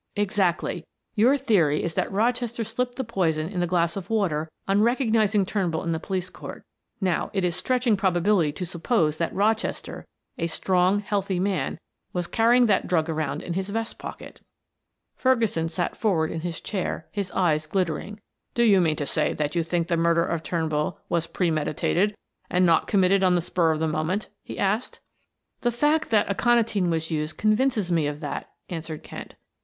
"Exactly. Your theory is that Rochester slipped the poison in the glass of water on recognizing Turnbull in the police court; now, it is stretching probability to suppose that Rochester, a strong healthy man, was carrying that drug around in his vest pocket." Ferguson sat forward in his chair, his eyes glittering. "Do you mean to say that you think the murder of Turnbull was premeditated and not committed on the spur of the moment?" he asked. "The fact that aconitine was used convinces me of that," answered Kent.